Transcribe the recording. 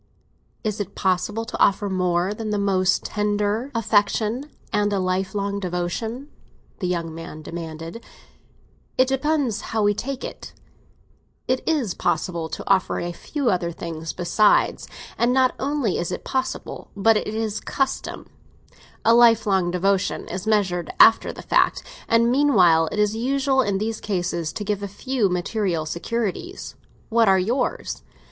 "Is it possible to offer more than the most tender affection and a lifelong devotion?" the young man demanded. "It depends how we take it. It is possible to offer a few other things besides; and not only is it possible, but it's usual. A lifelong devotion is measured after the fact; and meanwhile it is customary in these cases to give a few material securities. What are yours?